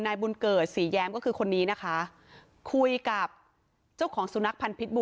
นายบุญเกิดศรีแย้มก็คือคนนี้นะคะคุยกับเจ้าของสุนัขพันธ์พิษบู